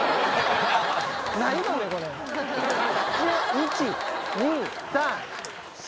１２３４